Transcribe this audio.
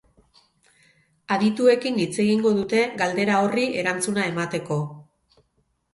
Adituekin hitz egingo dute, galdera horri erantzuna emateko.